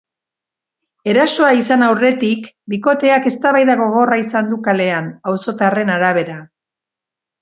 Erasoa izan aurretik bikoteak eztabaida gogorra izan du kalean, auzotarren arabera.